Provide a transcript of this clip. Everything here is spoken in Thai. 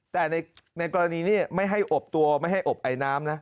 แต่ในกรณีนี้ไม่ให้อบตัวไม่ให้อบไอน้ำนะ